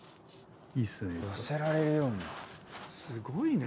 すごい！